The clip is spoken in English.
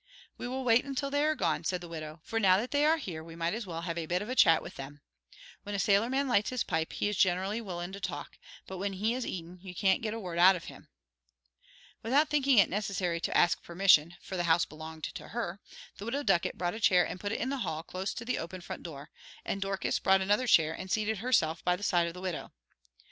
"We will wait until they are gone," said the widow, "for now that they are here we might as well have a bit of a chat with them. When a sailorman lights his pipe he is generally willin' to talk, but when he is eatin' you can't get a word out of him." Without thinking it necessary to ask permission, for the house belonged to her, the Widow Ducket brought a chair and put it in the hall close to the open front door, and Dorcas brought another chair and seated herself by the side of the widow.